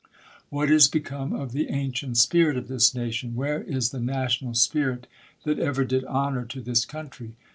What is become of the ancient spirit of this nation? Where is the national spirit that ever did honor to this country?